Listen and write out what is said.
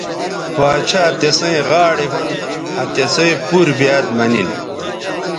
باڇھا تسئیں غاڑے ھون آ تِسئ پور بیاد مہ نن